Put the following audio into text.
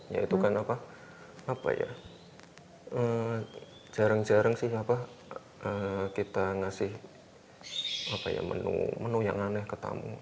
ya itu kan apa ya jarang jarang sih kita ngasih menu yang aneh ke tamu